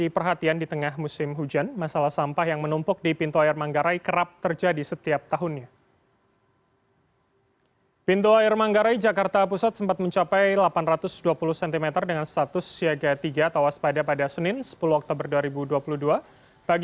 pintu air manggarai jakarta